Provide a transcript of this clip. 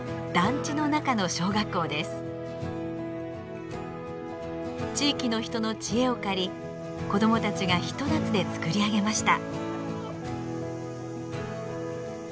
地域の人の知恵を借り子どもたちがひと夏で造り上げました。